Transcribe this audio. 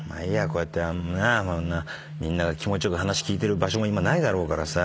こうやってみんなが気持ち良く話聞いてる場所も今ないだろうからさ